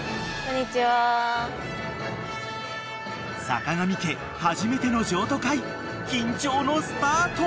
［坂上家初めての譲渡会緊張のスタート］